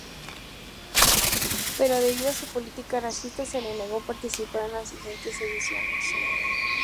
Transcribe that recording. Pero debido a su política racista, se le negó participar en las siguientes ediciones.